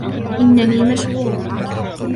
إنني مشغول.